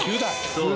そう。